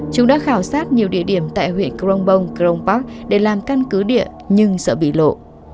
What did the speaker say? chúng đã khảo sát nhiều địa điểm tại huyện cronbong cron park để làm căn cứ địa nhưng sợ bị lộ